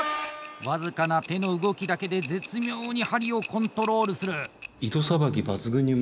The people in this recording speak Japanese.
僅かな手の動きだけで絶妙に針をコントロールする。